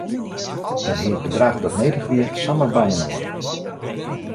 Men hie it bedrach dat nedich wie samar byinoar.